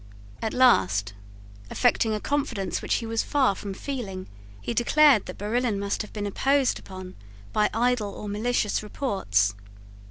At last, affecting a confidence which he was far from feeling, he declared that Barillon must have been imposed upon by idle or malicious reports.